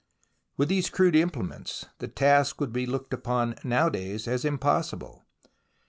With these crude implements the task would be looked upon nowadays as impossible.